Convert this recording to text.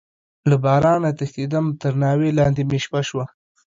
له بارانه تښتيدم، تر ناوې لاندې مې شپه شوه.